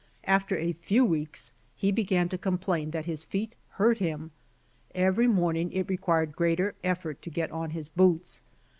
After a few weeks he began to complain that his feet hurt him. Every morning it required greater effort to get on his boots.